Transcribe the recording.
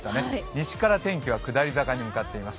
西から天気は下り坂に向かっています。